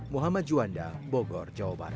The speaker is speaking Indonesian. muhammad juanda bogor jawa barat